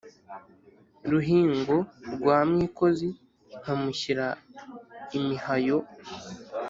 ruhingo rwa mwikozi nkamushyira imihayo.